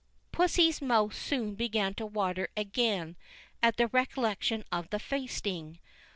Pussy's mouth soon began to water again at the recollection of the feasting.